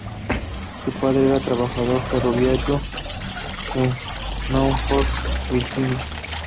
Su padre era trabajador ferroviario en Norfolk, Virginia.